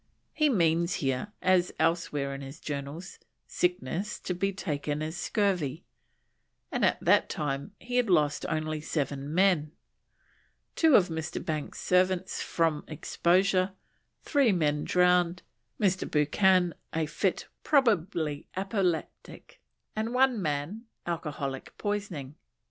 He means here, as elsewhere in his Journals, "sickness" to be taken as scurvy, and at that time he had lost only seven men: two of Mr. Banks's servants from exposure; three men drowned; Mr. Buchan, a fit, probably apoplectic; and one man, alcoholic poisoning.